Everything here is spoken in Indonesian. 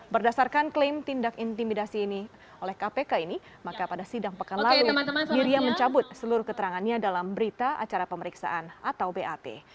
berdasarkan klaim tindak intimidasi ini oleh kpk ini maka pada sidang pekan lalu miriam mencabut seluruh keterangannya dalam berita acara pemeriksaan atau bat